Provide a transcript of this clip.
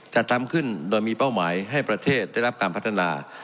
จัดทำขึ้นโดยมีเป้าหมายให้ประเทศได้รับการพัฒนา